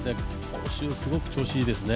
今週、すごく調子いいですね